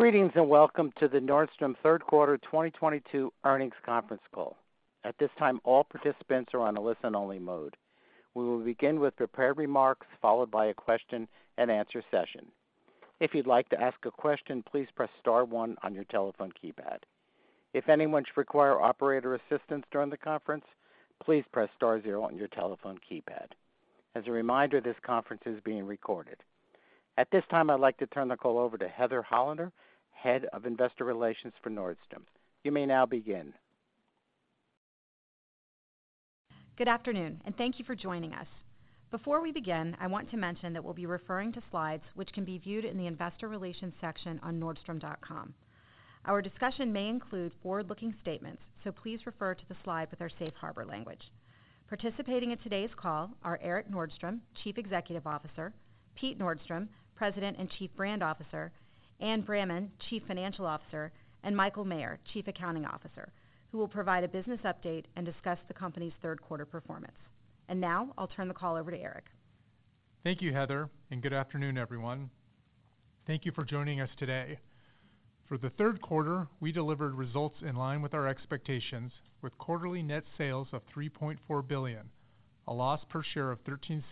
Greetings, welcome to the Nordstrom 3rd quarter 2022 earnings conference call. At this time, all participants are on a listen-only mode. We will begin with prepared remarks, followed by a question-and-answer session. If you'd like to ask a question, please press star one on your telephone keypad. If anyone should require operator assistance during the conference, please press star zero on your telephone keypad. As a reminder, this conference is being recorded. At this time, I'd like to turn the call over to Heather Hollander, Head of Investor Relations for Nordstrom. You may now begin. Good afternoon, and thank you for joining us. Before we begin, I want to mention that we'll be referring to slides which can be viewed in the Investor Relations section on nordstrom.com. Our discussion may include forward-looking statements. Please refer to the slide with our safe harbor language. Participating in today's call are Erik Nordstrom, Chief Executive Officer, Pete Nordstrom, President and Chief Brand Officer, Anne Bramman, Chief Financial Officer, and Michael Maher, Chief Accounting Officer, who will provide a business update and discuss the company's third quarter performance. Now I'll turn the call over to Erik. Thank you, Heather, and good afternoon, everyone. Thank you for joining us today. For the third quarter, we delivered results in line with our expectations with quarterly net sales of $3.4 billion, a loss per share of $0.13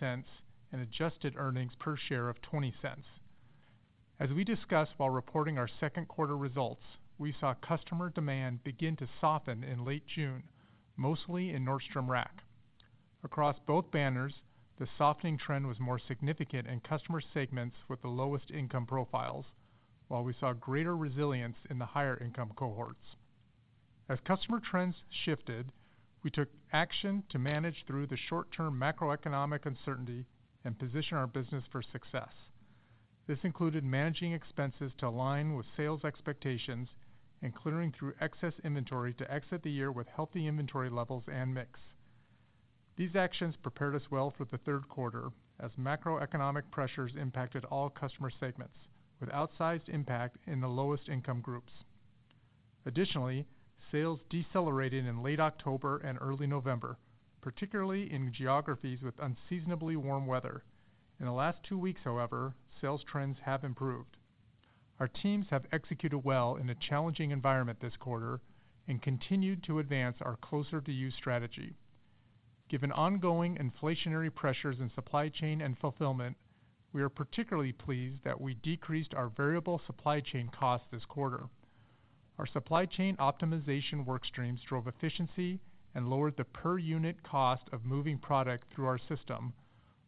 and adjusted earnings per share of $0.20. As we discussed while reporting our second quarter results, we saw customer demand begin to soften in late June, mostly in Nordstrom Rack. Across both banners, the softening trend was more significant in customer segments with the lowest income profiles, while we saw greater resilience in the higher income cohorts. As customer trends shifted, we took action to manage through the short-term macroeconomic uncertainty and position our business for success. This included managing expenses to align with sales expectations and clearing through excess inventory to exit the year with healthy inventory levels and mix. These actions prepared us well for the third quarter as macroeconomic pressures impacted all customer segments with outsized impact in the lowest income groups. Additionally, sales decelerated in late October and early November, particularly in geographies with unseasonably warm weather. In the last 2 weeks, however, sales trends have improved. Our teams have executed well in a challenging environment this quarter and continued to advance our Closer To You strategy. Given ongoing inflationary pressures in supply chain and fulfillment, we are particularly pleased that we decreased our variable supply chain costs this quarter. Our supply chain optimization work streams drove efficiency and lowered the per unit cost of moving product through our system,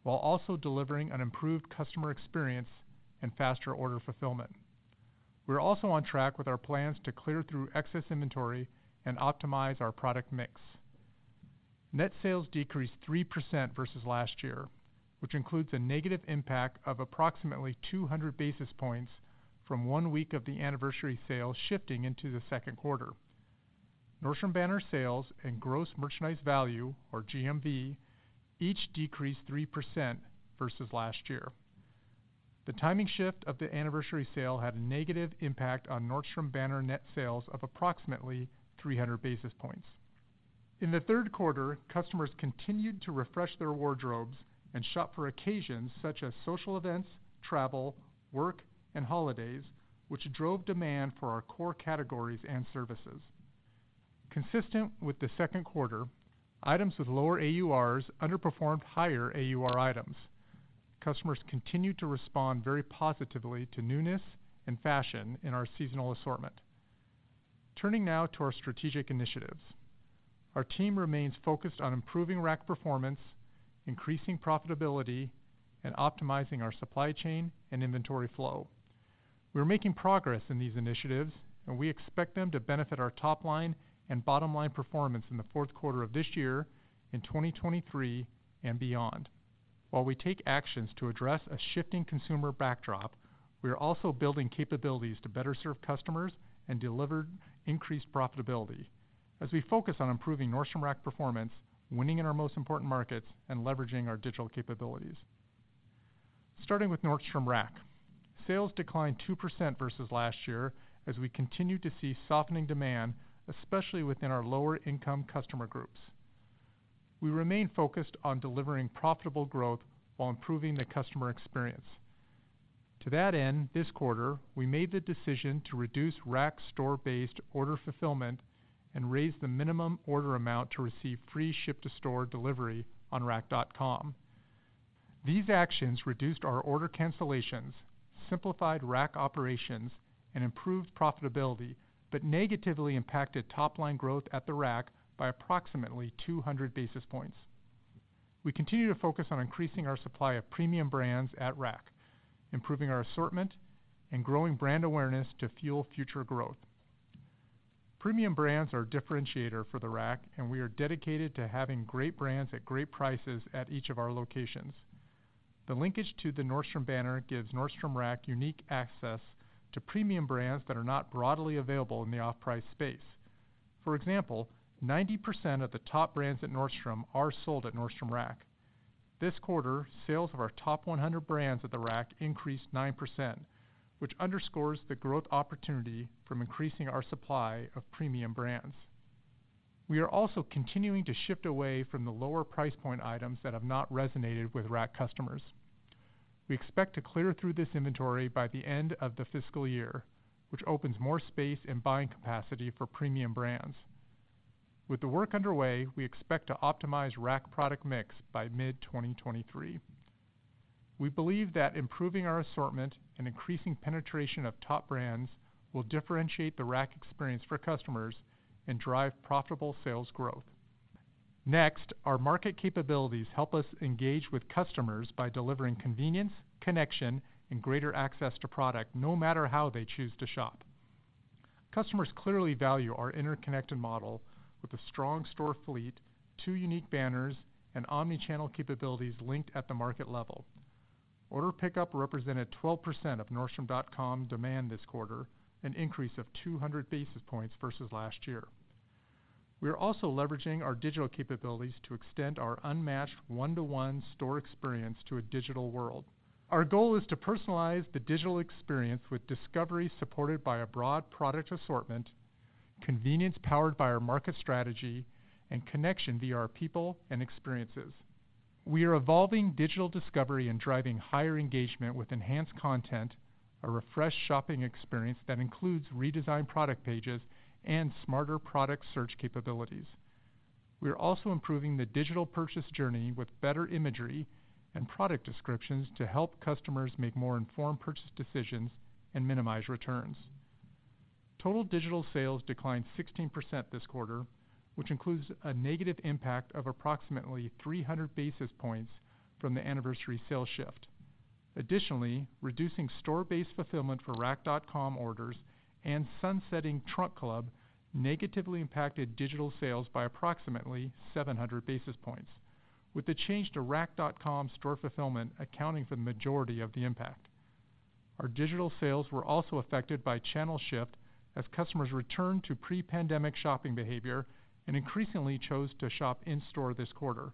while also delivering an improved customer experience and faster order fulfillment. We're also on tRack with our plans to clear through excess inventory and optimize our product mix. Net sales decreased 3% versus last year, which includes a negative impact of approximately 200 basis points from 1 week of the Anniversary Sale shifting into the second quarter. Nordstrom banner sales and gross merchandise value or GMV each decreased 3% versus last year. The timing shift of the Anniversary Sale had a negative impact on Nordstrom banner net sales of approximately 300 basis points. In the third quarter, customers continued to refresh their wardrobes and shop for occasions such as social events, travel, work, and holidays, which drove demand for our core categories and services. Consistent with the second quarter, items with lower AURs underperformed higher AUR items. Customers continued to respond very positively to newness and fashion in our seasonal assortment. Turning now to our strategic initiatives. Our team remains focused on improving Nordstrom Rack performance, increasing profitability, and optimizing our supply chain and inventory flow. We're making progress in these initiatives, and we expect them to benefit our top line and bottom line performance in the fourth quarter of this year, in 2023 and beyond. While we take actions to address a shifting consumer backdrop, we are also building capabilities to better serve customers and deliver increased profitability as we focus on improving Nordstrom Rack performance, winning in our most important markets and leveraging our digital capabilities. Starting with Nordstrom Rack. Sales declined 2% versus last year as we continued to see softening demand, especially within our lower income customer groups. We remain focused on delivering profitable growth while improving the customer experience. To that end, this quarter, we made the decision to reduce Rack Store-based order fulfillment and raise the minimum order amount to receive free ship-to-store delivery on rack.com. These actions reduced our order cancellations, simplified Rack operations, and improved profitability, but negatively impacted top-line growth at the Rack by approximately 200 basis points. We continue to focus on increasing our supply of premium brands at Rack, improving our assortment, and growing brand awareness to fuel future growth. Premium brands are a differentiator for the Rack. We are dedicated to having great brands at great prices at each of our locations. The linkage to the Nordstrom banner gives Nordstrom Rack unique access to premium brands that are not broadly available in the off-price space. For example, 90% of the top brands at Nordstrom are sold at Nordstrom Rack. This quarter, sales of our top 100 brands at the Rack increased 9%, which underscores the growth opportunity from increasing our supply of premium brands. We are also continuing to shift away from the lower price point items that have not resonated with Rack customers. We expect to clear through this inventory by the end of the fiscal year, which opens more space and buying capacity for premium brands. With the work underway, we expect to optimize Rack product mix by mid-2023. We believe that improving our assortment and increasing penetration of top brands will differentiate the Rack experience for customers and drive profitable sales growth. Our market capabilities help us engage with customers by delivering convenience, connection, and greater access to product, no matter how they choose to shop. Customers clearly value our interconnected model with a strong store fleet, two unique banners, and omni-channel capabilities linked at the market level. Order pickup represented 12% of nordstrom.com demand this quarter, an increase of 200 basis points versus last year. We are also leveraging our digital capabilities to extend our unmatched one-to-one store experience to a digital world. Our goal is to personalize the digital experience with discovery supported by a broad product assortment, convenience powered by our market strategy, and connection via our people and experiences. We are evolving digital discovery and driving higher engagement with enhanced content, a refreshed shopping experience that includes redesigned product pages, and smarter product search capabilities. We are also improving the digital purchase journey with better imagery and product descriptions to help customers make more informed purchase decisions and minimize returns. Total digital sales declined 16% this quarter, which includes a negative impact of approximately 300 basis points from the Anniversary Sale shift. Reducing store-based fulfillment for rack.com orders and sunsetting Trunk Club negatively impacted digital sales by approximately 700 basis points. With the change to rack.com store fulfillment accounting for the majority of the impact. Our digital sales were also affected by channel shift as customers returned to pre-pandemic shopping behavior and increasingly chose to shop in-store this quarter.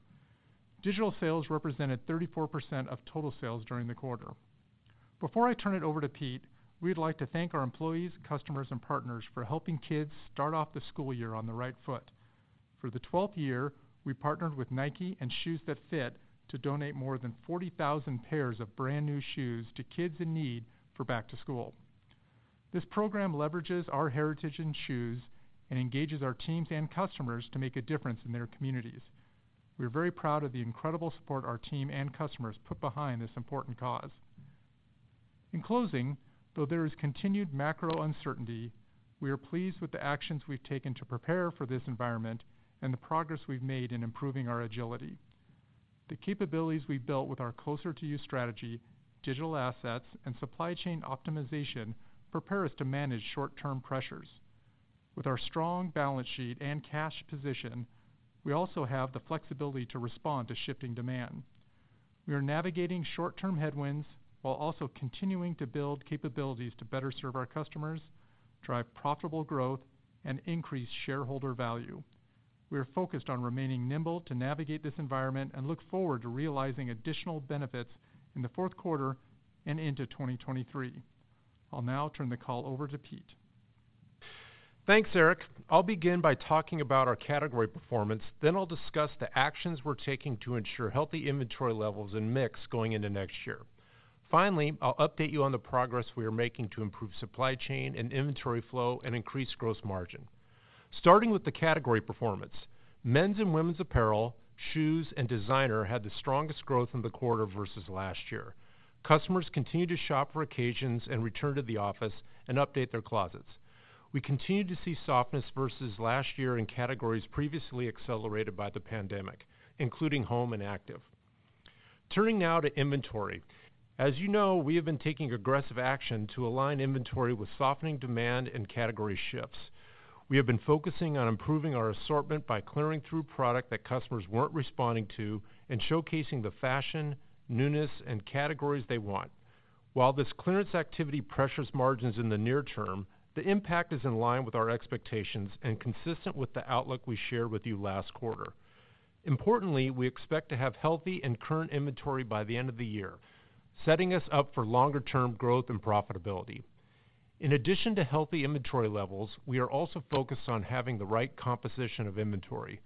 Digital sales represented 34% of total sales during the quarter. Before I turn it over to Pete, we'd like to thank our employees, customers, and partners for helping kids start off the school year on the right foot. For the 12th year, we partnered with Nike and Shoes That Fit to donate more than 40,000 pairs of brand-new shoes to kids in need for back to school. This program leverages our heritage in shoes and engages our teams and customers to make a difference in their communities. We are very proud of the incredible support our team and customers put behind this important cause. In closing, though there is continued macro uncertainty, we are pleased with the actions we've taken to prepare for this environment and the progress we've made in improving our agility. The capabilities we've built with our Closer To You strategy, digital assets, and supply chain optimization prepare us to manage short-term pressures. With our strong balance sheet and cash position, we also have the flexibility to respond to shifting demand. We are navigating short-term headwinds while also continuing to build capabilities to better serve our customers, drive profitable growth, and increase shareholder value. We are focused on remaining nimble to navigate this environment and look forward to realizing additional benefits in the fourth quarter and into 2023. I'll now turn the call over to Pete. Thanks, Erik. I'll begin by talking about our category performance, then I'll discuss the actions we're taking to ensure healthy inventory levels and mix going into next year. Finally, I'll update you on the progress we are making to improve supply chain and inventory flow and increase gross margin. Starting with the category performance, men's and women's apparel, shoes, and designer had the strongest growth in the quarter versus last year. Customers continued to shop for occasions and return to the office and update their closets. We continued to see softness versus last year in categories previously accelerated by the pandemic, including home and active. Turning now to inventory. As you know, we have been taking aggressive action to align inventory with softening demand and category shifts. We have been focusing on improving our assortment by clearing through product that customers weren't responding to and showcasing the fashion, newness, and categories they want. While this clearance activity pressures margins in the near term, the impact is in line with our expectations and consistent with the outlook we shared with you last quarter. Importantly, we expect to have healthy and current inventory by the end of the year, setting us up for longer-term growth and profitability. In addition to healthy inventory levels, we are also focused on having the right composition of inventory.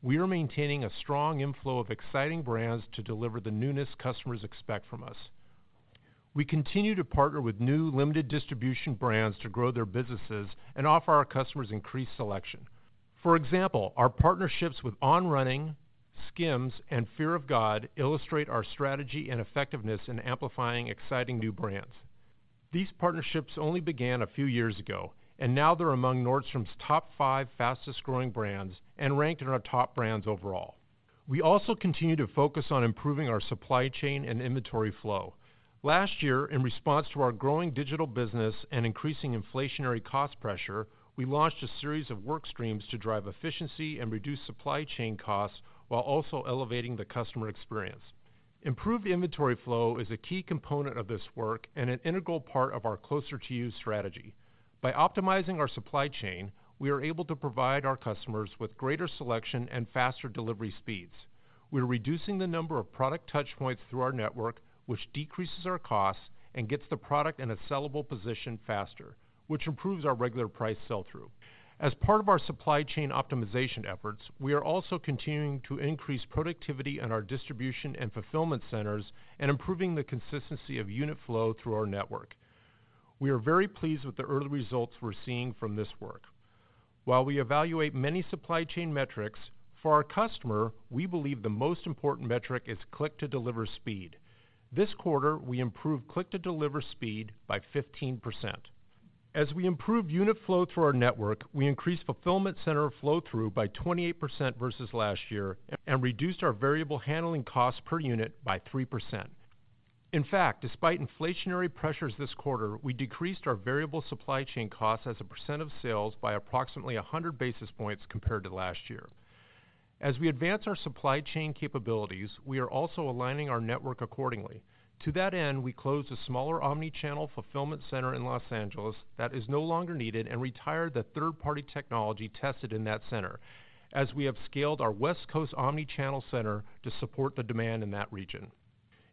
We are maintaining a strong inflow of exciting brands to deliver the newness customers expect from us. We continue to partner with new limited distribution brands to grow their businesses and offer our customers increased selection. For example, our partnerships with On Running, SKIMS, and Fear of God illustrate our strategy and effectiveness in amplifying exciting new brands. These partnerships only began a few years ago, and now they're among Nordstrom's top five fastest-growing brands and ranked in our top brands overall. We also continue to focus on improving our supply chain and inventory flow. Last year, in response to our growing digital business and increasing inflationary cost pressure, we launched a series of work streams to drive efficiency and reduce supply chain costs while also elevating the customer experience. Improved inventory flow is a key component of this work and an integral part of our Closer To You strategy. By optimizing our supply chain, we are able to provide our customers with greater selection and faster delivery speeds. We're reducing the number of product touch points through our network, which decreases our costs and gets the product in a sellable position faster, which improves our regular price sell-through. As part of our supply chain optimization efforts, we are also continuing to increase productivity in our distribution and fulfillment centers and improving the consistency of unit flow through our network. We are very pleased with the early results we're seeing from this work. While we evaluate many supply chain metrics, for our customer, we believe the most important metric is click-to-deliver speed. This quarter, we improved click-to-deliver speed by 15%. As we improve unit flow through our network, we increased fulfillment center flow-through by 28% versus last year and reduced our variable handling costs per unit by 3%. In fact, despite inflationary pressures this quarter, we decreased our variable supply chain costs as a percent of sales by approximately 100 basis points compared to last year. As we advance our supply chain capabilities, we are also aligning our network accordingly. To that end, we closed a smaller omni-channel fulfillment center in Los Angeles that is no longer needed and retired the third-party technology tested in that center, as we have scaled our West Coast omni-channel center to support the demand in that region.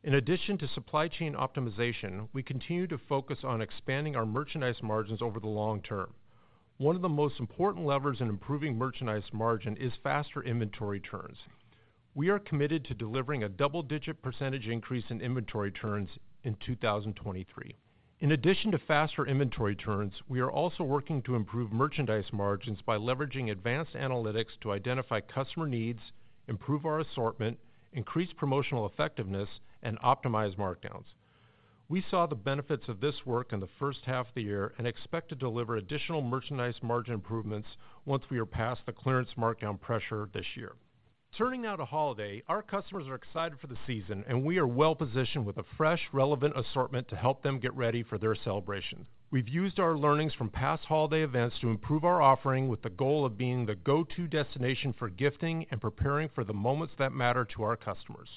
In addition to supply chain optimization, we continue to focus on expanding our merchandise margins over the long term. One of the most important levers in improving merchandise margin is faster inventory turns. We are committed to delivering a double-digit percentage increase in inventory turns in 2023. In addition to faster inventory turns, we are also working to improve merchandise margins by leveraging advanced analytics to identify customer needs, improve our assortment, increase promotional effectiveness, and optimize markdowns. We saw the benefits of this work in the first half of the year and expect to deliver additional merchandise margin improvements once we are past the clearance markdown pressure this year. Turning now to holiday. Our customers are excited for the season, and we are well-positioned with a fresh, relevant assortment to help them get ready for their celebration. We've used our learnings from past holiday events to improve our offering with the goal of being the go-to destination for gifting and preparing for the moments that matter to our customers.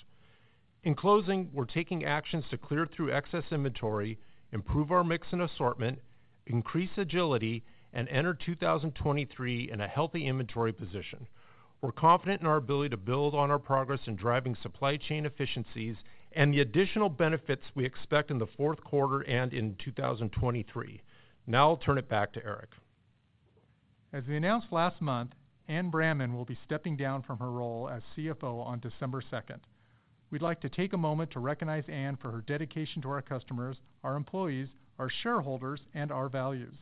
In closing, we're taking actions to clear through excess inventory, improve our mix and assortment, increase agility, and enter 2023 in a healthy inventory position. We're confident in our ability to build on our progress in driving supply chain efficiencies and the additional benefits we expect in the fourth quarter and in 2023. Now I'll turn it back to Erik. As we announced last month, Anne Bramman will be stepping down from her role as CFO on December 2nd. We'd like to take a moment to recognize Anne for her dedication to our customers, our employees, our shareholders, and our values.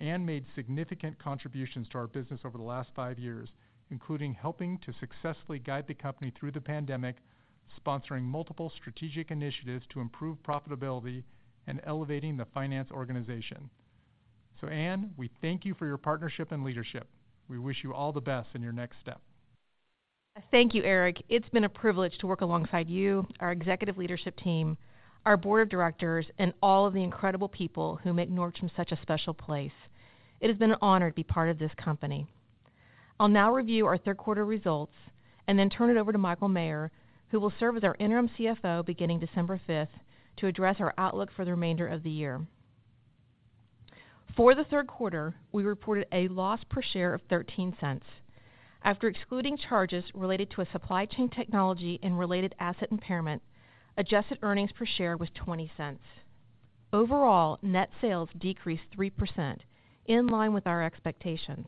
Anne made significant contributions to our business over the last five years, including helping to successfully guide the company through the pandemic, sponsoring multiple strategic initiatives to improve profitability, and elevating the finance organization. Anne, we thank you for your partnership and leadership. We wish you all the best in your next step. Thank you, Erik. It's been a privilege to work alongside you, our executive leadership team, our board of directors, and all of the incredible people who make Nordstrom such a special place. It has been an honor to be part of this company. I'll now review our third quarter results and then turn it over to Michael Maher, who will serve as our interim CFO beginning December 5th, to address our outlook for the remainder of the year. For the third quarter, we reported a loss per share of $0.13. After excluding charges related to a supply chain technology and related asset impairment, adjusted earnings per share was $0.20. Overall, net sales decreased 3%, in line with our expectations.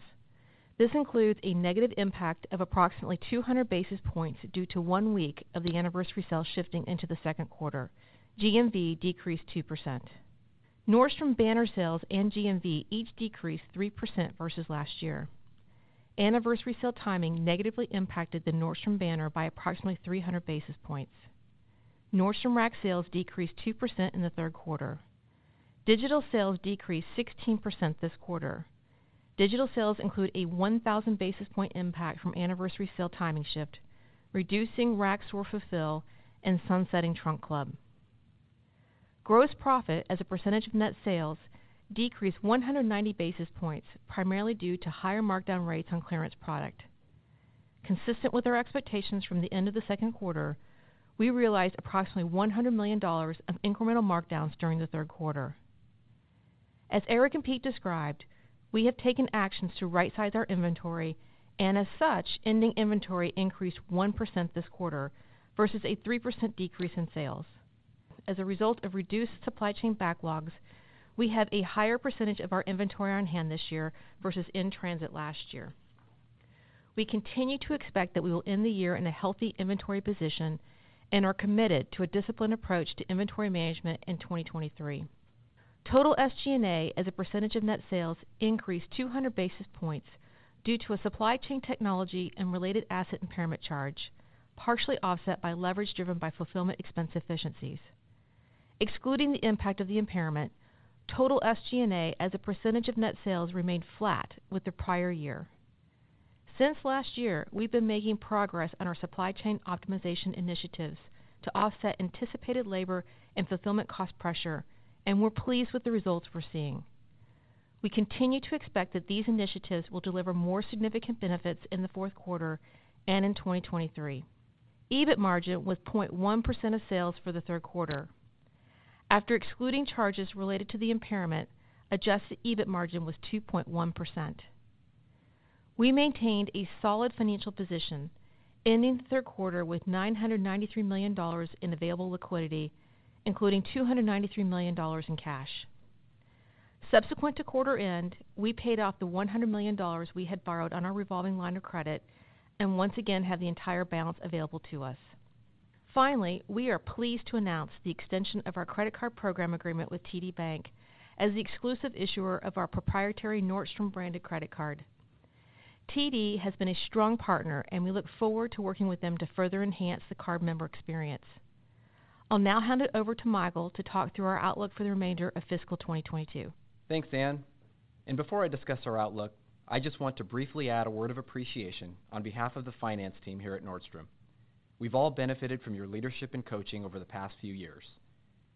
This includes a negative impact of approximately 200 basis points due to 1 week of the Anniversary Sale shifting into the second quarter. GMV decreased 2%. Nordstrom banner sales and GMV each decreased 3% versus last year. Anniversary Sale timing negatively impacted the Nordstrom banner by approximately 300 basis points. Nordstrom Rack sales decreased 2% in the third quarter. Digital sales decreased 16% this quarter. Digital sales include a 1,000 basis point impact from Anniversary Sale timing shift, reducing Rack store fulfill, and sunsetting Trunk Club. Gross profit as a percentage of net sales decreased 190 basis points, primarily due to higher markdown rates on clearance product. Consistent with our expectations from the end of the second quarter, we realized approximately $100 million of incremental markdowns during the third quarter. As Erik and Pete described, we have taken actions to right-size our inventory, and as such, ending inventory increased 1% this quarter versus a 3% decrease in sales. As a result of reduced supply chain backlogs, we have a higher percentage of our inventory on hand this year versus in transit last year. We continue to expect that we will end the year in a healthy inventory position and are committed to a disciplined approach to inventory management in 2023. Total SG&A as a percentage of net sales increased 200 basis points due to a supply chain technology and related asset impairment charge, partially offset by leverage driven by fulfillment expense efficiencies. Excluding the impact of the impairment, total SG&A as a percentage of net sales remained flat with the prior year. Since last year, we've been making progress on our supply chain optimization initiatives to offset anticipated labor and fulfillment cost pressure, and we're pleased with the results we're seeing. We continue to expect that these initiatives will deliver more significant benefits in the fourth quarter and in 2023. EBIT margin was 0.1% of sales for the third quarter. After excluding charges related to the impairment, adjusted EBIT margin was 2.1%. We maintained a solid financial position, ending the third quarter with $993 million in available liquidity, including $293 million in cash. Subsequent to quarter end, we paid off the $100 million we had borrowed on our revolving line of credit and once again have the entire balance available to us. We are pleased to announce the extension of our credit card program agreement with TD Bank as the exclusive issuer of our proprietary Nordstrom branded credit card. TD has been a strong partner, and we look forward to working with them to further enhance the card member experience. I'll now hand it over to Michael to talk through our outlook for the remainder of fiscal 2022. Thanks, Anne. Before I discuss our outlook, I just want to briefly add a word of appreciation on behalf of the finance team here at Nordstrom. We've all benefited from your leadership and coaching over the past few years.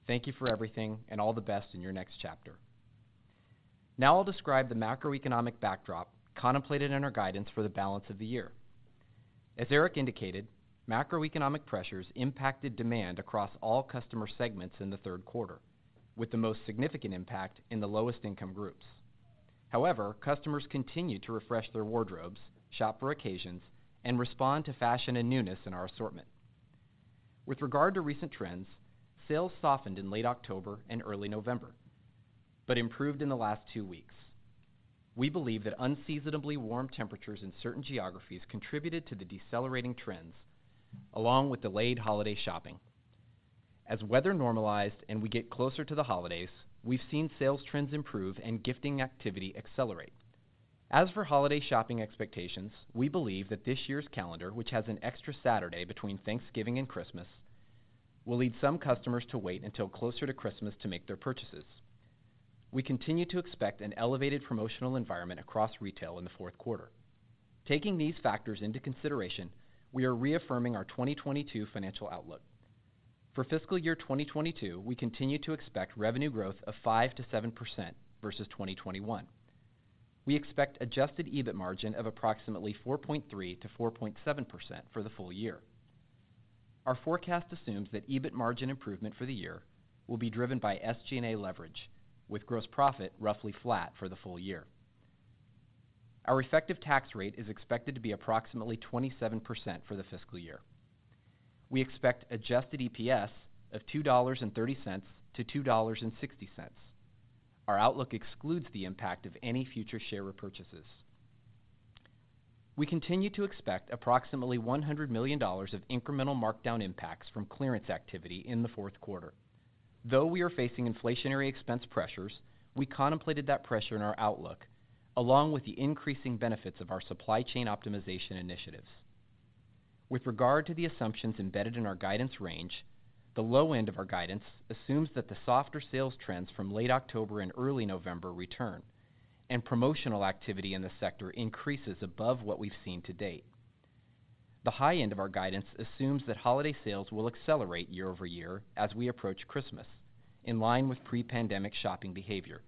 Thank you for everything and all the best in your next chapter. Now I'll describe the macroeconomic backdrop contemplated in our guidance for the balance of the year. As Erik indicated, macroeconomic pressures impacted demand across all customer segments in the third quarter, with the most significant impact in the lowest income groups. However, customers continued to refresh their wardrobes, shop for occasions, and respond to fashion and newness in our assortment. With regard to recent trends, sales softened in late October and early November, but improved in the last 2 weeks. We believe that unseasonably warm temperatures in certain geographies contributed to the decelerating trends, along with delayed holiday shopping. As weather normalized and we get closer to the holidays, we've seen sales trends improve and gifting activity accelerate. As for holiday shopping expectations, we believe that this year's calendar, which has an extra Saturday between Thanksgiving and Christmas, will lead some customers to wait until closer to Christmas to make their purchases. We continue to expect an elevated promotional environment across retail in the fourth quarter. Taking these factors into consideration, we are reaffirming our 2022 financial outlook. For fiscal year 2022, we continue to expect revenue growth of 5%-7% versus 2021. We expect adjusted EBIT margin of approximately 4.3%-4.7% for the full year. Our forecast assumes that EBIT margin improvement for the year will be driven by SG&A leverage, with gross profit roughly flat for the full year. Our effective tax rate is expected to be approximately 27% for the fiscal year. We expect adjusted EPS of $2.30-$2.60. Our outlook excludes the impact of any future share repurchases. We continue to expect approximately $100 million of incremental markdown impacts from clearance activity in the fourth quarter. Though we are facing inflationary expense pressures, we contemplated that pressure in our outlook, along with the increasing benefits of our supply chain optimization initiatives. With regard to the assumptions embedded in our guidance range, the low end of our guidance assumes that the softer sales trends from late October and early November return, and promotional activity in the sector increases above what we've seen to date. The high end of our guidance assumes that holiday sales will accelerate year-over-year as we approach Christmas, in line with pre-pandemic shopping behavior,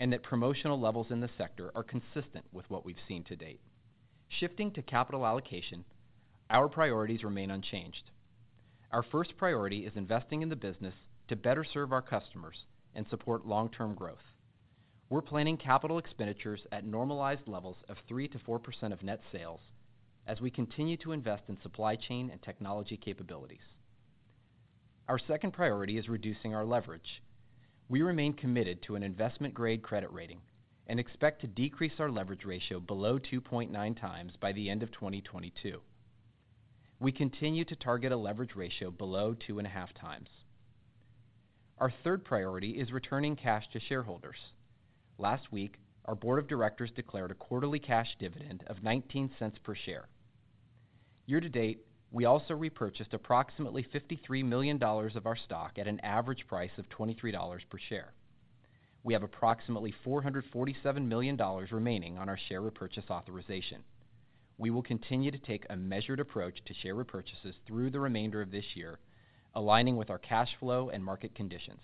and that promotional levels in the sector are consistent with what we've seen to date. Shifting to capital allocation, our priorities remain unchanged. Our first priority is investing in the business to better serve our customers and support long-term growth. We're planning capital expenditures at normalized levels of 3%-4% of net sales as we continue to invest in supply chain and technology capabilities. Our second priority is reducing our leverage. We remain committed to an investment-grade credit rating and expect to decrease our leverage ratio below 2.9x by the end of 2022. We continue to target a leverage ratio below 2.5x. Our third priority is returning cash to shareholders. Last week, our board of directors declared a quarterly cash dividend of $0.19 per share. Year to date, we also repurchased approximately $53 million of our stock at an average price of $23 per share. We have approximately $447 million remaining on our share repurchase authorization. We will continue to take a measured approach to share repurchases through the remainder of this year, aligning with our cash flow and market conditions.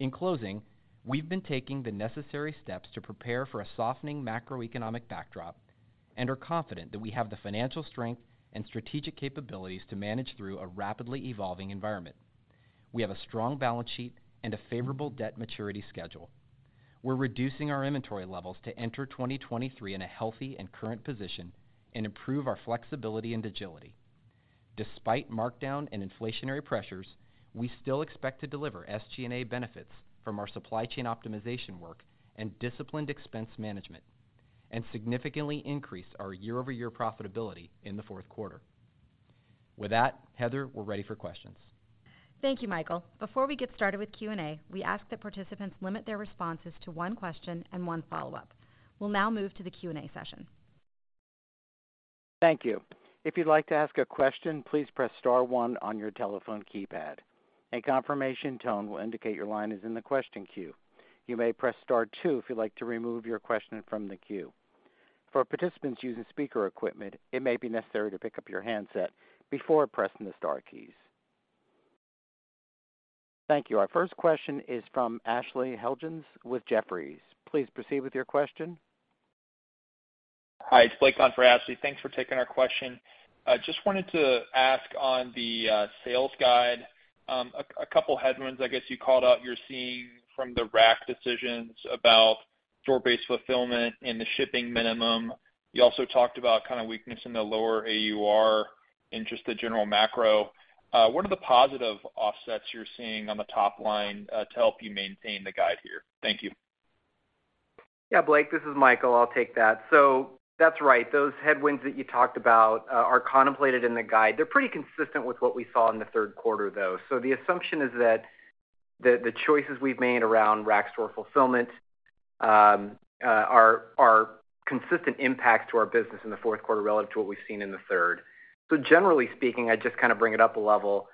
In closing, we've been taking the necessary steps to prepare for a softening macroeconomic backdrop and are confident that we have the financial strength and strategic capabilities to manage through a rapidly evolving environment. We have a strong balance sheet and a favorable debt maturity schedule. We're reducing our inventory levels to enter 2023 in a healthy and current position and improve our flexibility and agility. Despite markdown and inflationary pressures, we still expect to deliver SG&A benefits from our supply chain optimization work and disciplined expense management, and significantly increase our year-over-year profitability in the fourth quarter. With that, Heather, we're ready for questions. Thank you, Michael. Before we get started with Q&A, we ask that participants limit their responses to one question and one follow-up. We'll now move to the Q&A session. Thank you. If you'd like to ask a question, please press star one on your telephone keypad. A confirmation tone will indicate your line is in the question queue. You may press star two if you'd like to remove your question from the queue. For participants using speaker equipment, it may be necessary to pick up your handset before pressing the star keys. Thank you. Our first question is from Ashley Helgans with Jefferies. Please proceed with your question. Hi, it's Blake on for Ashley. Thanks for taking our question. I just wanted to ask on the sales guide, a couple headwinds, I guess, you called out you're seeing from the Rack decisions about store-based fulfillment and the shipping minimum. You also talked about kinda weakness in the lower AUR and just the general macro. What are the positive offsets you're seeing on the top line to help you maintain the guide here? Thank you. Yeah, Blake, this is Michael. I'll take that. That's right. Those headwinds that you talked about are contemplated in the guide. They're pretty consistent with what we saw in the third quarter, though. The assumption is that the choices we've made around Rack Store fulfillment are consistent impacts to our business in the fourth quarter relative to what we've seen in the third. Generally speaking, I just kinda bring it up a level.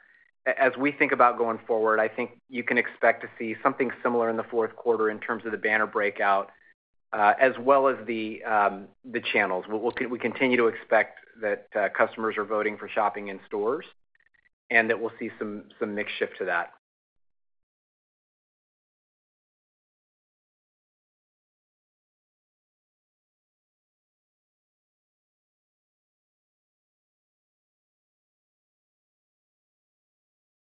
As we think about going forward, I think you can expect to see something similar in the fourth quarter in terms of the banner breakout, as well as the channels. We continue to expect that customers are voting for shopping in stores, and that we'll see some mix shift to that.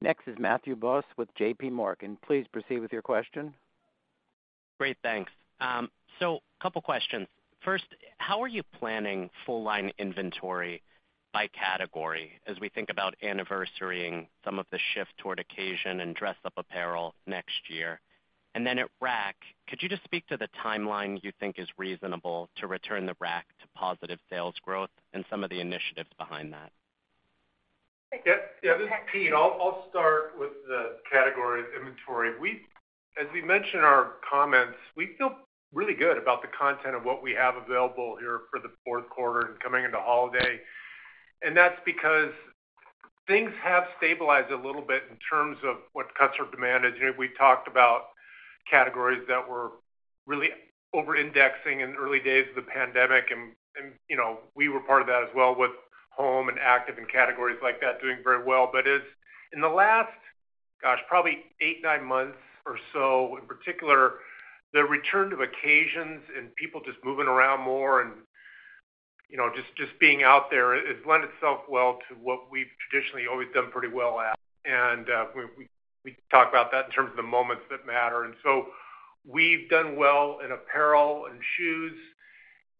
Next is Matthew Boss with JPMorgan. Please proceed with your question. Great. Thanks. Couple questions. First, how are you planning full line inventory by category as we think about anniversarying some of the shift toward occasion and dress up apparel next year? At Rack, could you just speak to the timeline you think is reasonable to return the Rack to positive sales growth and some of the initiatives behind that? Yeah, this is Pete. I'll start with the categories inventory. As we mentioned in our comments, we feel really good about the content of what we have available here for the fourth quarter and coming into holiday. That's because things have stabilized a little bit in terms of what customer demand is. You know, we talked about categories that were really over-indexing in early days of the pandemic, and, you know, we were part of that as well with home and active and categories like that doing very well. In the last, gosh, probably eight, nine months or so, in particular, the return to occasions and people just moving around more and, you know, just being out there has lent itself well to what we've traditionally always done pretty well at. We talk about that in terms of the moments that matter. We've done well in apparel and shoes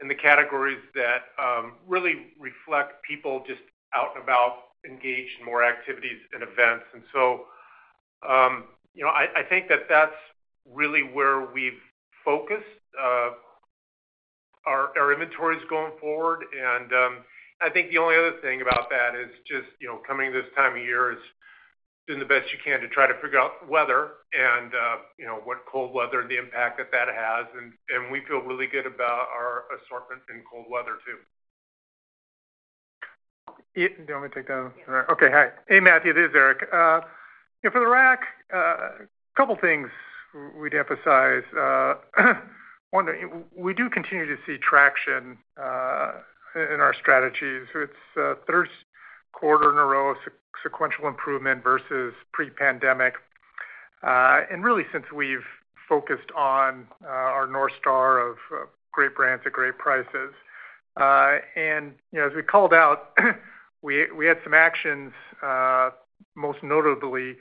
in the categories that really reflect people just out and about, engaged in more activities and events. You know, I think that that's really where we've focused our inventories going forward. I think the only other thing about that is just, you know, coming this time of year is doing the best you can to try to figure out weather and, you know, what cold weather and the impact that that has. We feel really good about our assortment in cold weather too. Do you want me to take that one? Yeah. Okay. Hi. Hey, Matthew, this is Erik Nordstrom. You know, for the Rack, couple things we'd emphasize. One, we do continue to see traction, in our strategy. It's, third quarter in a row of sequential improvement versus pre-pandemic, and really since we've focused on, our North Star of great brands at great prices. You know, as we called out, we had some actions, most notably,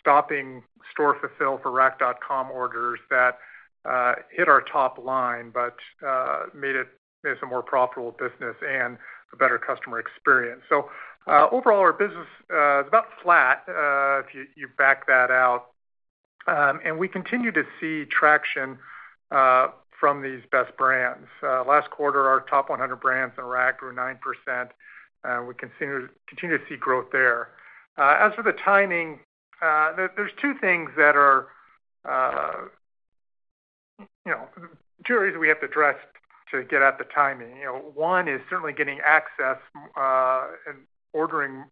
stopping store fulfill for rack.com orders that hit our top line, but made it some more profitable business and a better customer experience. Overall, our business is about flat, if you back that out. We continue to see traction from these best brands. Last quarter, our top 100 brands in Rack grew 9%. We continue to see growth there. As for the timing, there's two things that are, you know, two areas we have to address to get at the timing. You know, one is certainly getting access, and ordering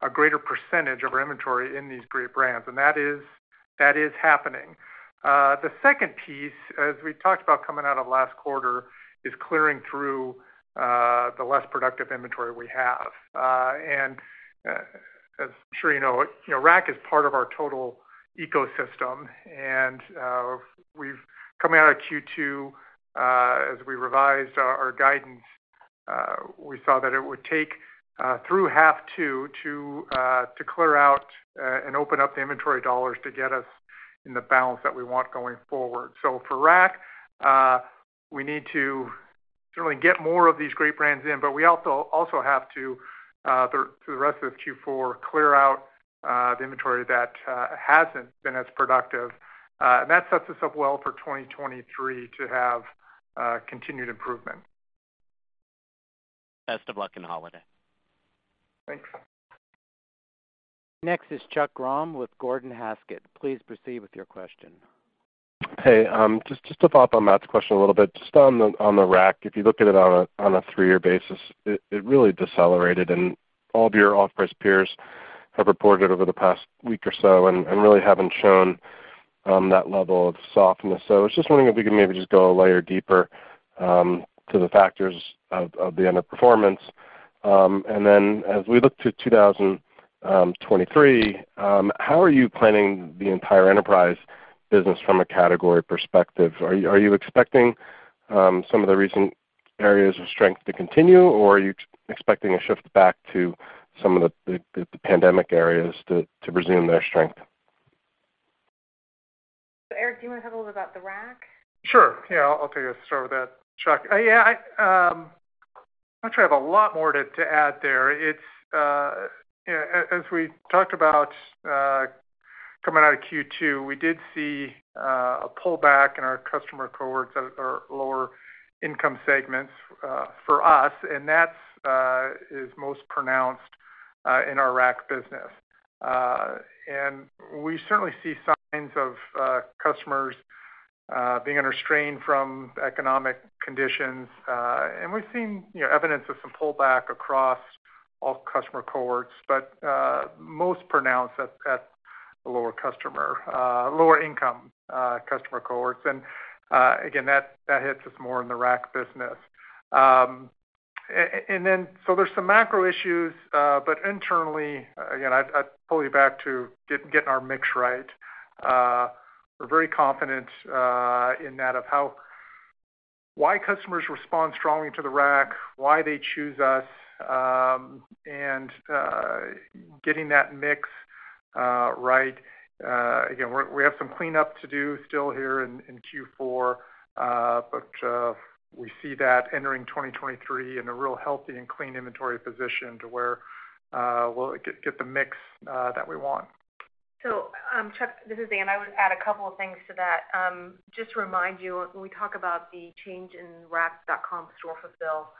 a greater percentage of our inventory in these great brands, that is happening. The second piece, as we talked about coming out of last quarter, is clearing through the less productive inventory we have. As I'm sure you know, Rack is part of our total ecosystem. Coming out of Q2, as we revised our guidance, we saw that it would take through half two to clear out and open up the inventory dollars to get us in the balance that we want going forward. For Rack, we need to certainly get more of these great brands in, but we also have to, through the rest of Q4, clear out the inventory that hasn't been as productive. That sets us up well for 2023 to have continued improvement. Best of luck in the holiday. Thanks. Next is Chuck Grom with Gordon Haskett. Please proceed with your question. Hey, just to follow up on Matt's question a little bit. Just on the Rack, if you look at it on a 3-year basis, it really decelerated and all of your off-price peers have reported over the past week or so and really haven't shown that level of softness. I was just wondering if we could maybe just go a layer deeper to the factors of the underperformance. As we look to 2023, how are you planning the entire enterprise business from a category perspective? Are you expecting some of the recent areas of strength to continue, or are you expecting a shift back to some of the pandemic areas to resume their strength? Erik, do you wanna talk a little about the Rack? Sure. I'll take a start with that, Chuck. I'm not sure I have a lot more to add there. It's, as we talked about, coming out of Q2, we did see a pullback in our customer cohorts at our lower income segments for us, and that's most pronounced in our Rack business. We certainly see signs of customers being under strain from economic conditions. We've seen, you know, evidence of some pullback across all customer cohorts, but most pronounced at the lower income customer cohorts. Again, that hits us more in the Rack business. There's some macro issues, but internally, again, I'd pull you back to getting our mix right. We're very confident in that, why customers respond strongly to the Rack, why they choose us, and getting that mix right. Again, we have some cleanup to do still here in Q4, but we see that entering 2023 in a real healthy and clean inventory position to where we'll get the mix that we want. Chuck, this is Anne. I would add a couple of things to that. Just to remind you, when we talk about the change in rack.com store fulfill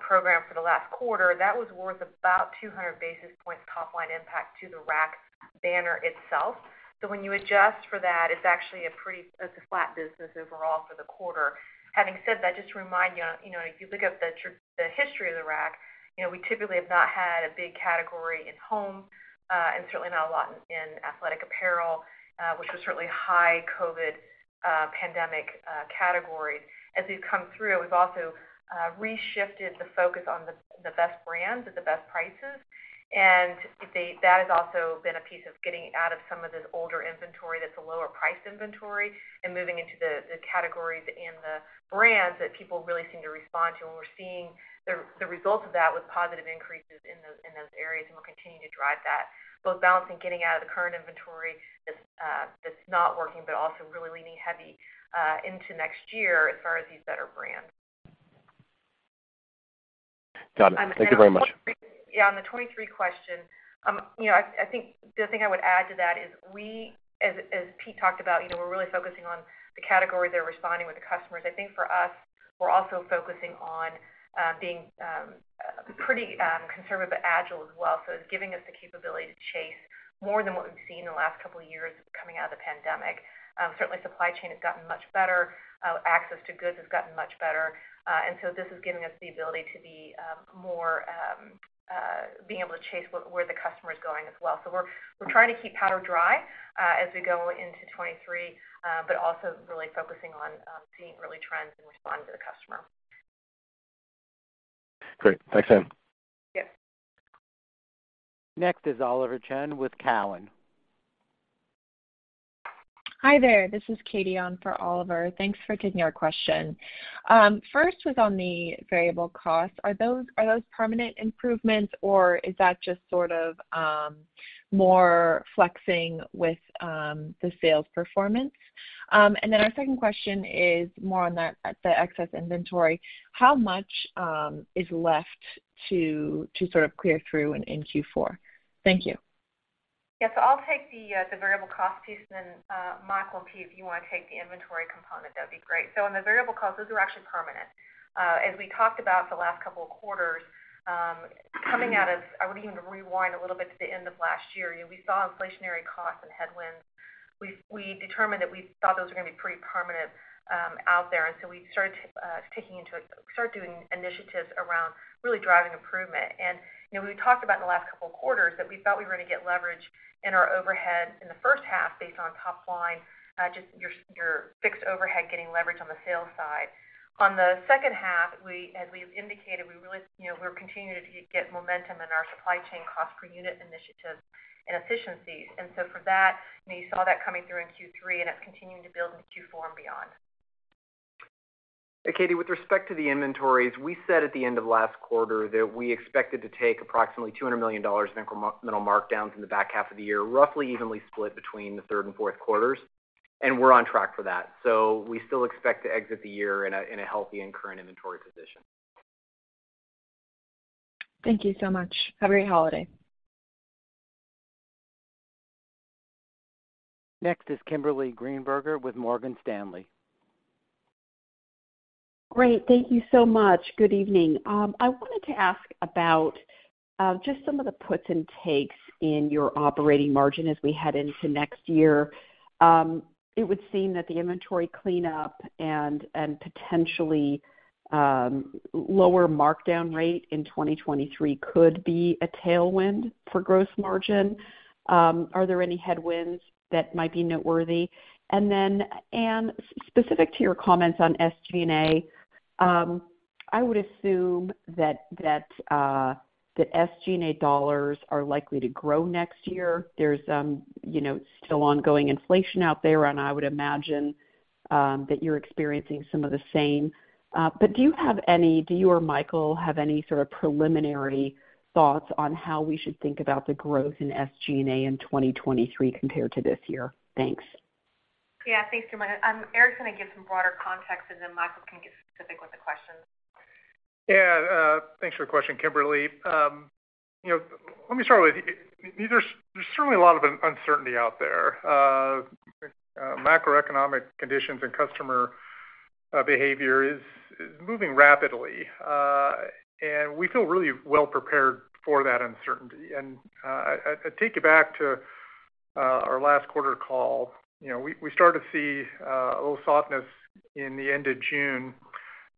program for the last quarter, that was worth about 200 basis points top line impact to the Rack banner itself. When you adjust for that, it's actually a flat business overall for the quarter. Having said that, just to remind you know, if you look at the history of the Rack, you know, we typically have not had a big category in home, and certainly not a lot in athletic apparel, which was certainly high COVID pandemic category. As we've come through, we've also reshifted the focus on the best brands at the best prices. That has also been a piece of getting out of some of this older inventory that's a lower price inventory and moving into the categories and the brands that people really seem to respond to. We're seeing the results of that with positive increases in those areas, and we'll continue to drive that, both balancing getting out of the current inventory that's not working, but also really leaning heavy into next year as far as these better brands. Got it. Thank you very much. Yeah, on the 23 question, you know, I think the thing I would add to that is we, as Pete talked about, you know, we're really focusing on the categories that are responding with the customers. I think for us, we're also focusing on, being pretty conservative, but agile as well. It's giving us the capability to chase more than what we've seen in the last couple of years coming out of the pandemic. Certainly supply chain has gotten much better. Access to goods has gotten much better. This is giving us the ability to be more, being able to chase where the customer is going as well. We're trying to keep powder dry as we go into 2023, but also really focusing on seeing really trends and responding to the customer. Great. Thanks, Anne. Yep. Next is Oliver Chen with Cowen. Hi there. This is Katie on for Oliver. Thanks for taking our question. First was on the variable costs. Are those permanent improvements or is that just sort of more flexing with the sales performance? Then our second question is more on that, the excess inventory. How much is left to sort of clear through in Q4? Thank you. Yeah. I'll take the variable cost piece and then Mike or Pete, if you wanna take the inventory component, that'd be great. On the variable costs, those are actually permanent. As we talked about the last couple of quarters, coming out of I would even rewind a little bit to the end of last year. You know, we saw inflationary costs and headwinds. We determined that we thought those were gonna be pretty permanent, out there. We started doing initiatives around really driving improvement. You know, we talked about in the last couple of quarters that we thought we were gonna get leverage in our overhead in the first half based on top line, just your fixed overhead getting leverage on the sales side. On the second half, we, as we've indicated, we really, you know, we're continuing to get momentum in our supply chain cost per unit initiatives and efficiencies. For that, you know, you saw that coming through in Q3, and it's continuing to build in Q4 and beyond. Katie, with respect to the inventories, we said at the end of last quarter that we expected to take approximately $200 million in incremental markdowns in the back half of the year, roughly evenly split between the third and fourth quarters. We're on track for that. We still expect to exit the year in a healthy and current inventory position. Thank you so much. Have a great holiday. Next is Kimberly Greenberger with Morgan Stanley. Great. Thank you so much. Good evening. I wanted to ask about just some of the puts and takes in your operating margin as we head into next year. It would seem that the inventory cleanup and potentially, lower markdown rate in 2023 could be a tailwind for growth margin. Are there any headwinds that might be noteworthy? Anne, specific to your comments on SG&A, I would assume that SG&A dollars are likely to grow next year. There's, you know, still ongoing inflation out there, and I would imagine that you're experiencing some of the same. Do you or Michael Maher have any sort of preliminary thoughts on how we should think about the growth in SG&A in 2023 compared to this year? Thanks. Yeah. Thanks, Kimberly. Erik's gonna give some broader context, and then Michael can get specific with the questions. Yeah, thanks for your question, Kimberly. You know, let me start with, there's certainly a lot of uncertainty out there. Macroeconomic conditions and customer behavior is moving rapidly. We feel really well prepared for that uncertainty. I take you back to our last quarter call. You know, we started to see a little softness in the end of June.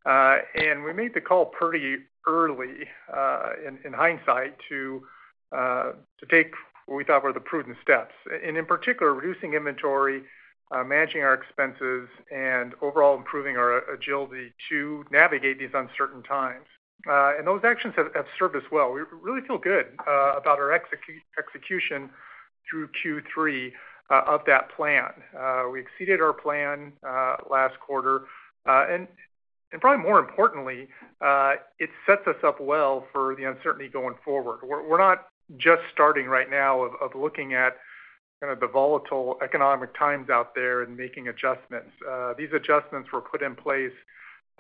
We made the call pretty early in hindsight to take what we thought were the prudent steps, and in particular, reducing inventory, managing our expenses, and overall improving our agility to navigate these uncertain times. Those actions have served us well. We really feel good about our execution through Q3 of that plan. We exceeded our plan last quarter. Probably more importantly, it sets us up well for the uncertainty going forward. We're not just starting right now of looking at kind of the volatile economic times out there and making adjustments. These adjustments were put in place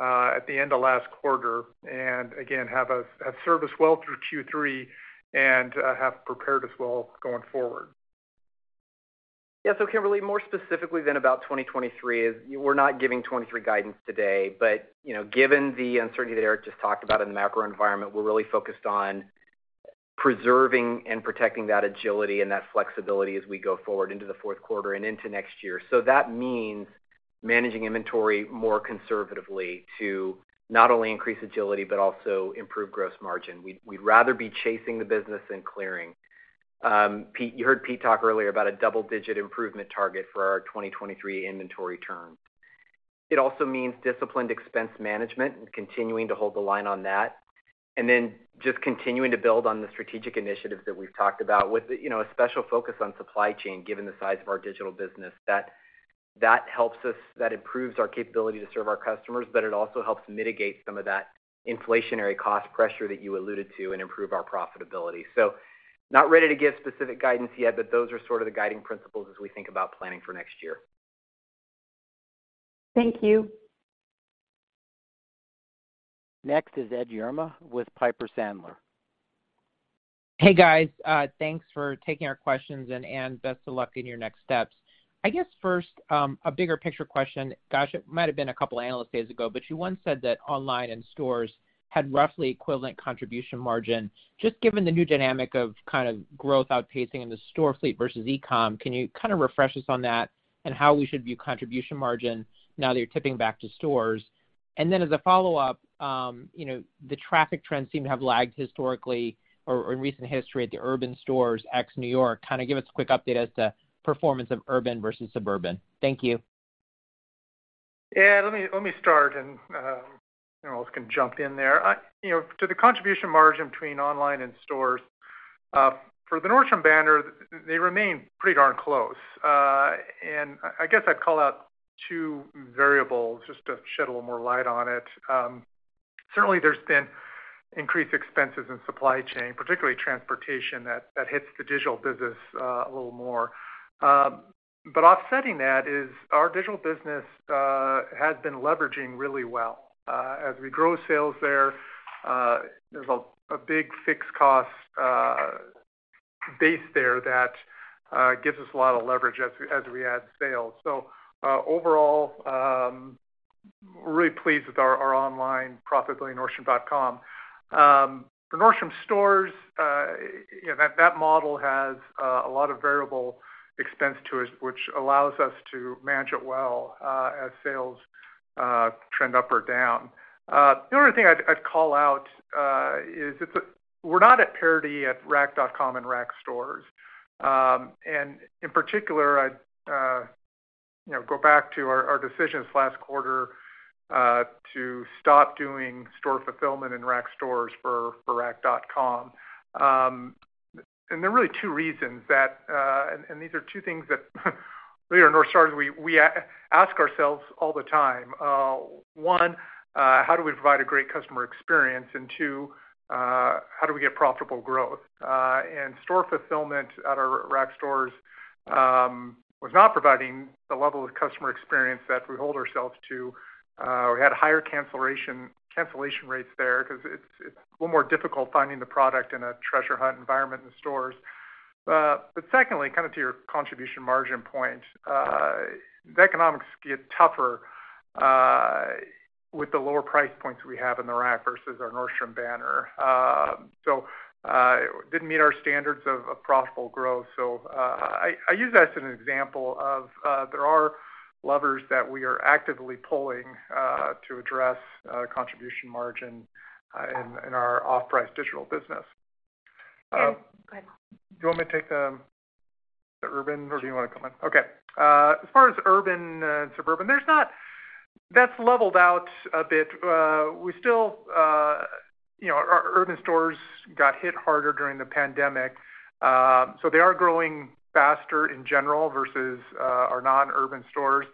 at the end of last quarter, and again, have served us well through Q3 and have prepared us well going forward. Kimberly, more specifically then about 2023, we're not giving 2023 guidance today. You know, given the uncertainty that Erik just talked about in the macro environment, we're really focused on preserving and protecting that agility and that flexibility as we go forward into the fourth quarter and into next year. That means managing inventory more conservatively to not only increase agility but also improve gross margin. We'd rather be chasing the business than clearing. Pete, you heard Pete talk earlier about a double-digit improvement target for our 2023 inventory turn. It also means disciplined expense management and continuing to hold the line on that. Just continuing to build on the strategic initiatives that we've talked about with, you know, a special focus on supply chain, given the size of our digital business, that helps us. That improves our capability to serve our customers, but it also helps mitigate some of that inflationary cost pressure that you alluded to and improve our profitability. Not ready to give specific guidance yet, but those are sort of the guiding principles as we think about planning for next year. Thank you. Next is Edward Yruma with Piper Sandler. Hey, guys. Thanks for taking our questions, and best of luck in your next steps. I guess first, a bigger picture question. Gosh, it might have been a couple analyst days ago, but you once said that online and stores had roughly equivalent contribution margin. Just given the new dynamic of kind of growth outpacing in the store fleet versus e-com, can you kind of refresh us on that and how we should view contribution margin now that you're tipping back to stores? As a follow-up, you know, the traffic trends seem to have lagged historically or in recent history at the urban stores ex New York. Kind of give us a quick update as to performance of urban versus suburban. Thank you. Yeah, let me start, anyone else can jump in there. You know, to the contribution margin between online and stores, for the Nordstrom banner, they remain pretty darn close. I guess I'd call out two variables just to shed a little more light on it. Certainly there's been increased expenses in supply chain, particularly transportation that hits the digital business a little more. Offsetting that is our digital business has been leveraging really well. As we grow sales there's a big fixed cost base there that gives us a lot of leverage as we add sales. Overall, really pleased with our online profitability, nordstrom.com. For Nordstrom stores, you know, that model has a lot of variable expense to it, which allows us to manage it well, as sales trend up or down. The only thing I'd call out is we're not at parity at rack.com and Rack stores. In particular, I'd, you know, go back to our decisions last quarter to stop doing store fulfillment in Rack stores for rack.com. There are really two reasons that these are two things that we at Nordstrom, we ask ourselves all the time. One, how do we provide a great customer experience? Two, how do we get profitable growth? Store fulfillment at our Rack stores was not providing the level of customer experience that we hold ourselves to. We had higher cancellation rates there because it's a little more difficult finding the product in a treasure hunt environment in the stores. Secondly, kind of to your contribution margin point, the economics get tougher, with the lower price points we have in The Rack versus our Nordstrom banner. It didn't meet our standards of profitable growth. I use that as an example of, there are levers that we are actively pulling, to address, contribution margin, in our off-price digital business. Erik, go ahead. Do you want me to take the urban, or do you want to come in? Okay. As far as urban and suburban, that's leveled out a bit. We still, you know, our urban stores got hit harder during the pandemic, so they are growing faster in general versus our non-urban stores.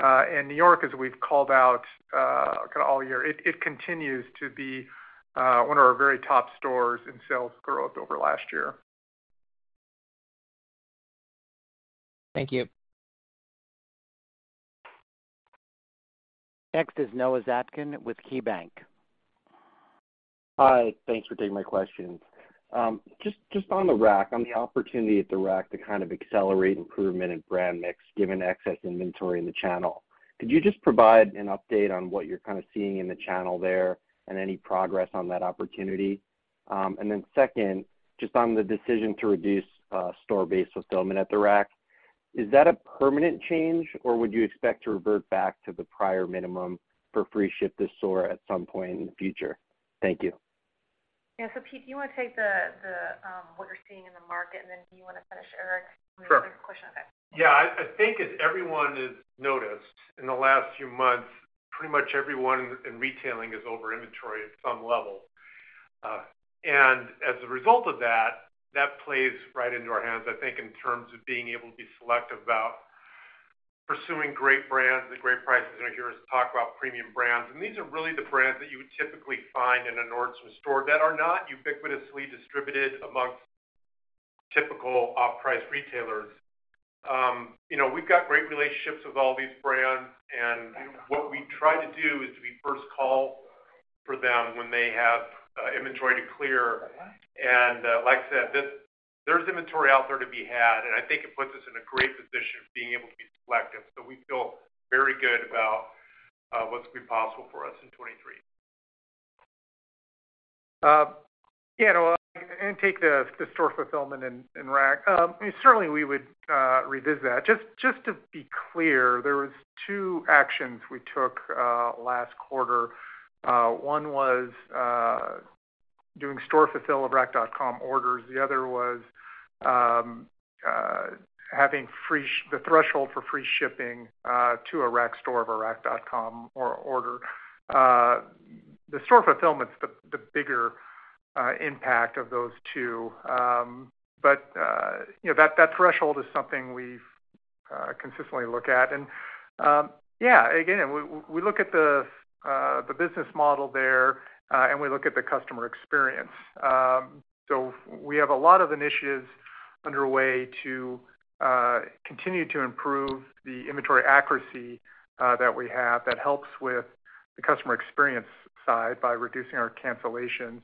New York, as we've called out, kinda all year, it continues to be one of our very top stores in sales growth over last year. Thank you. Next is Noah Zatzkin with KeyBanc. Hi. Thanks for taking my questions. just on The Rack, on the opportunity at The Rack to kind of accelerate improvement in brand mix, given excess inventory in the channel, could you just provide an update on what you're kind of seeing in the channel there and any progress on that opportunity? Second, just on the decision to reduce store-based fulfillment at The Rack, is that a permanent change, or would you expect to revert back to the prior minimum for free ship to store at some point in the future? Thank you. Yeah. Pete, do you wanna take the what you're seeing in the market, and then do you wanna finish, Eric... Sure. Next question? Okay. Yeah. I think as everyone has noticed in the last few months, pretty much everyone in retailing is over-inventoried at some level. As a result of that plays right into our hands, I think, in terms of being able to be selective about pursuing great brands at great prices. You're gonna hear us talk about premium brands, and these are really the brands that you would typically find in a Nordstrom store that are not ubiquitously distributed amongst typical off-price retailers. You know, we've got great relationships with all these brands, and what we try to do is to be first call for them when they have inventory to clear. Like I said, there's inventory out there to be had, and I think it puts us in a great position of being able to be selective. We feel very good about what's gonna be possible for us in 2023. Yeah, Noah, and take the store fulfillment in Rack. I mean, certainly we would revisit that. Just to be clear, there was two actions we took last quarter. One was doing store fulfill of rack.com orders. The other was having free the threshold for free shipping to a Rack store of a rack.com order. The store fulfillment's the bigger impact of those 2. You know, that threshold is something we've consistently look at. Yeah, again, we look at the business model there, and we look at the customer experience. We have a lot of initiatives underway to continue to improve the inventory accuracy that we have that helps with the customer experience side by reducing our cancellations.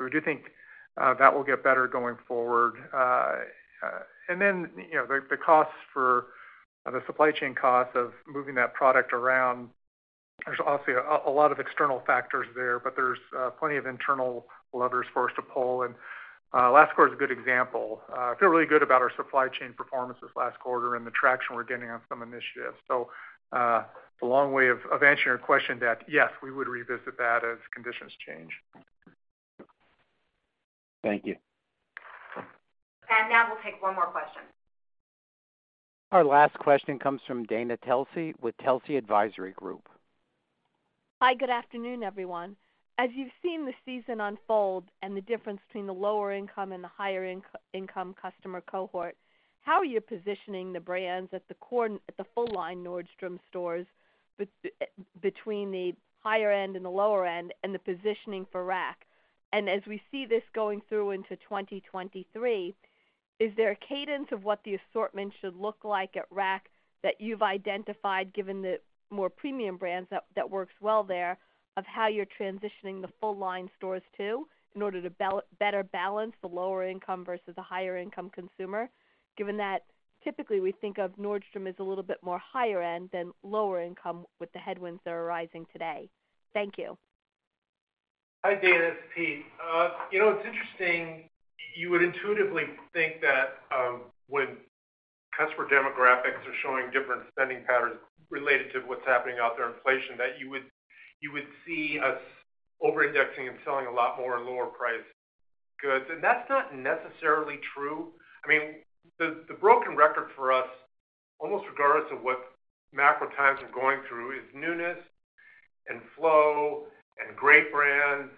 We do think that will get better going forward. You know, the costs for... the supply chain costs of moving that product around, there's obviously a lot of external factors there, but there's plenty of internal levers for us to pull. Last quarter's a good example. I feel really good about our supply chain performance this last quarter and the traction we're getting on some initiatives. It's a long way of answering your question that, yes, we would revisit that as conditions change. Thank you. Now we'll take one more question. Our last question comes from Dana Telsey with Telsey Advisory Group. Hi. Good afternoon, everyone. As you've seen the season unfold and the difference between the lower income and the higher income customer cohort, how are you positioning the brands at the core at the full-line Nordstrom stores between the higher end and the lower end, and the positioning for Rack? As we see this going through into 2023, is there a cadence of what the assortment should look like at Rack that you've identified, given the more premium brands that works well there, of how you're transitioning the full-line stores too, in order to better balance the lower income versus the higher income consumer, given that typically we think of Nordstrom as a little bit more higher end than lower income with the headwinds that are arising today? Thank you. Hi, Dana. It's Pete. You know, it's interesting. You would intuitively think that when customer demographics are showing different spending patterns related to what's happening out there, inflation, that you would see us over-indexing and selling a lot more lower priced goods, and that's not necessarily true. I mean, the broken record for us, almost regardless of what macro times we're going through, is newness and flow and great brands,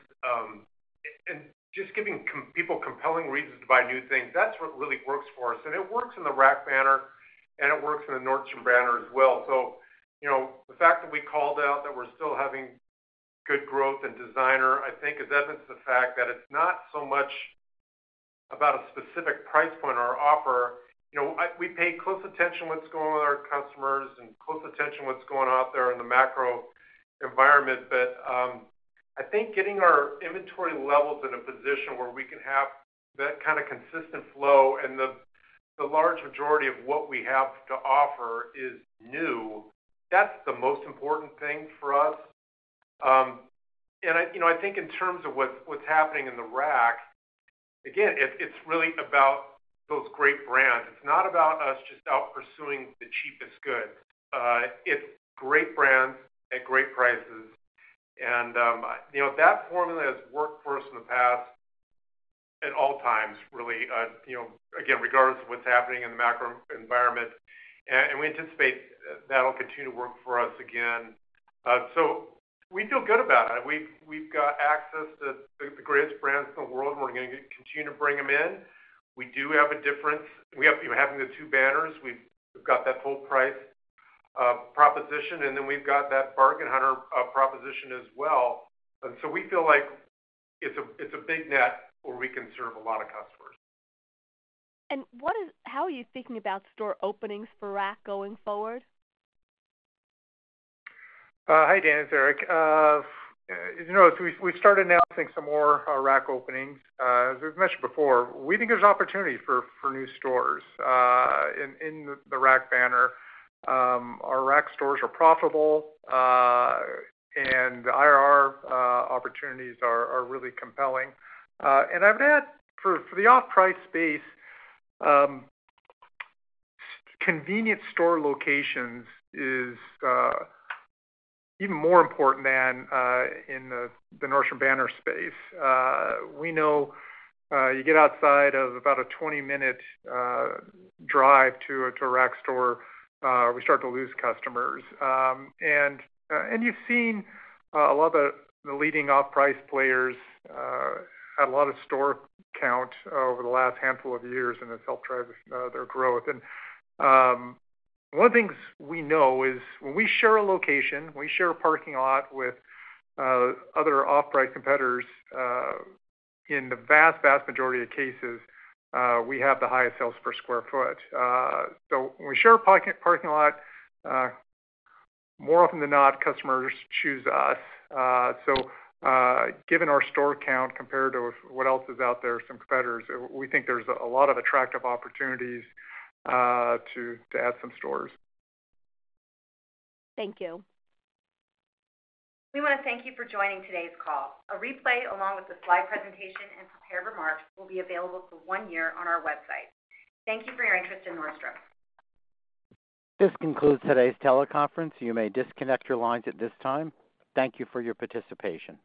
and just giving people compelling reasons to buy new things. That's what really works for us. It works in the Rack banner, and it works in the Nordstrom banner as well. You know, the fact that we called out that we're still having good growth in designer, I think is evidence to the fact that it's not so much about a specific price point or offer. You know, we pay close attention to what's going on with our customers and close attention to what's going on out there in the macro environment. I think getting our inventory levels in a position where we can have that kind of consistent flow and the large majority of what we have to offer is new, that's the most important thing for us. I, you know, I think in terms of what's happening in the Rack, again, it's really about those great brands. It's not about us just out pursuing the cheapest goods. It's great brands at great prices. You know, that formula has worked for us in the past at all times, really, you know, again, regardless of what's happening in the macro environment. We anticipate that'll continue to work for us again. We feel good about it. We've got access to the greatest brands in the world, and we're gonna continue to bring them in. We do have a difference. Having the two banners, we've got that full-price proposition, and then we've got that bargain hunter proposition as well. We feel like it's a, it's a big net where we can serve a lot of customers. How are you thinking about store openings for Rack going forward? Hi, Dana. It's Erik. As you know, we've started announcing some more Rack openings. As we've mentioned before, we think there's opportunity for new stores in the Rack banner. Our Rack stores are profitable, and IRR opportunities are really compelling. For the off-price space, convenient store locations is even more important than in the Nordstrom banner space. We know, you get outside of about a 20-minute drive to a Rack store, we start to lose customers. You've seen a lot of the leading off-price players had a lot of store count over the last handful of years, and it's helped drive their growth. One of the things we know is when we share a location, we share a parking lot with other off-price competitors, in the vast majority of cases, we have the highest sales per square foot. When we share a parking lot, more often than not, customers choose us. Given our store count compared to what else is out there, some competitors, we think there's a lot of attractive opportunities to add some stores. Thank you. We want to thank you for joining today's call. A replay along with the slide presentation and prepared remarks will be available for one year on our website. Thank you for your interest in Nordstrom. This concludes today's teleconference. You may disconnect your lines at this time. Thank you for your participation.